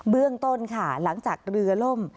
เบื้องต้นหลังจากเรือล่ม